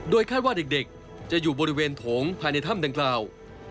คาดว่าเด็กจะอยู่บริเวณโถงภายในถ้ำดังกล่าว